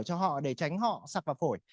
cho họ để tránh họ sập vào phổi